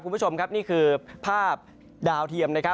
คุณผู้ชมครับนี่คือภาพดาวเทียม